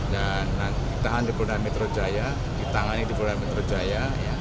dan nanti tahan di polda metro jaya ditangani di polda metro jaya